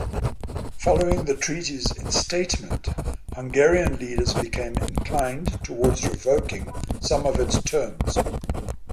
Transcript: Following the treaty's instatement, Hungarian leaders became inclined towards revoking some of its terms.